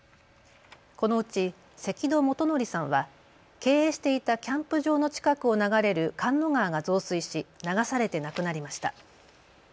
このうち関戸基法さんは経営していたキャンプ場の近くを流れる神之川が増水し流されて亡くなりました。